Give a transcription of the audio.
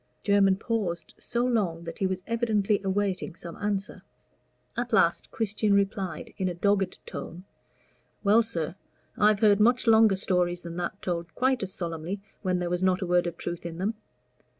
Jermyn paused so long that he was evidently awaiting some answer. At last Christian replied in a dogged tone "Well, sir, I've heard much longer stories than that told quite as solemnly, when there was not a word of truth in them.